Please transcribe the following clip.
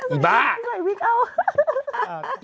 อิบ๊ะไหนวิคเอา